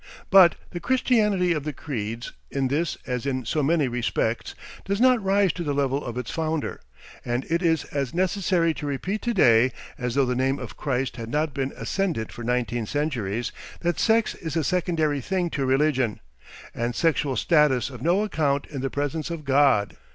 But the Christianity of the creeds, in this as in so many respects, does not rise to the level of its founder, and it is as necessary to repeat to day as though the name of Christ had not been ascendant for nineteen centuries, that sex is a secondary thing to religion, and sexual status of no account in the presence of God.